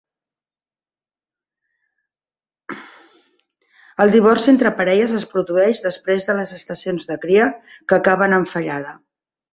El divorci entre parelles es produeix després de les estacions de cria que acaben en fallada.